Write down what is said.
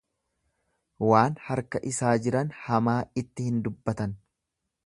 Waan harka isaa jiran hamaa itti hin dubbatan.